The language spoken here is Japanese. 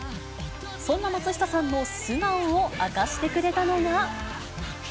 そんな松下さんの素顔を明かしてくれたのが。